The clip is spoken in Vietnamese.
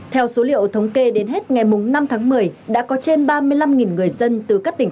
theo số liệu thống kê đến hết ngày năm tháng một mươi đã có trên ba mươi năm người dân từ các tỉnh